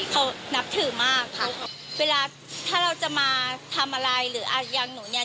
เขานับถือมากค่ะเวลาถ้าเราจะมาทำอะไรหรืออย่างหนูเนี่ย